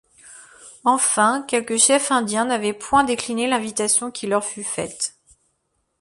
Enfin, quelques chefs indiens n’avaient point décliné l’invitation qui leur fut faite.